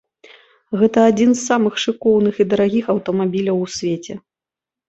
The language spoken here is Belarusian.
Гэта адзін з самых шыкоўных і дарагіх аўтамабіляў у свеце.